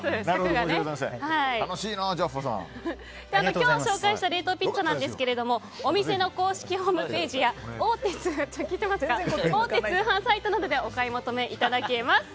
今日紹介した冷凍ピッツァですがお店の公式ホームページや大手通販サイトなどでお買い求めいただけます。